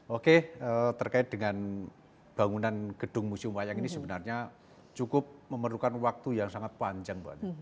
oke terkait dengan bangunan gedung museum wayang ini sebenarnya cukup memerlukan waktu yang sangat panjang